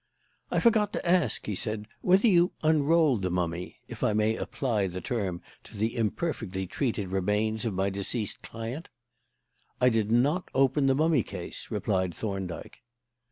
"I forgot to ask," he said, "whether you unrolled the mummy if I may apply the term to the imperfectly treated remains of my deceased client." "I did not open the mummy case," replied Thorndyke.